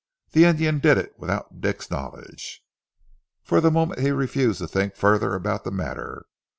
The Indian did it without Dick's knowledge." For the moment he refused to think further about the matter.